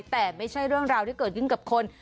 แต่ไม่ใช่เรื่องราวที่เกิดขึ้นกับคน